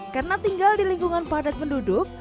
karena tinggal di lingkungan padat penduduk